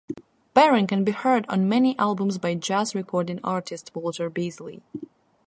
Baron can be heard on many albums by jazz recording artist Walter Beasley.